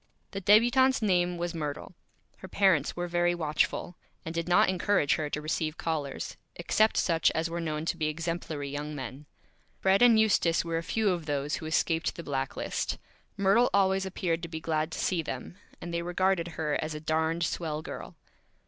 The Débutante's name was Myrtle. Her Parents were very Watchful, and did not encourage her to receive Callers, except such as were known to be Exemplary Young Men. Fred and Eustace were a few of those who escaped the Black List. Myrtle always appeared to be glad to see them, and they regarded her as a Darned Swell Girl.